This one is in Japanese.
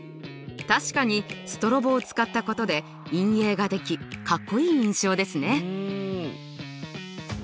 確かにストロボを使ったことで陰影ができかっこいい印象ですね。